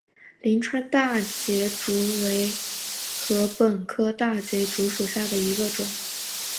灵川大节竹为禾本科大节竹属下的一个种。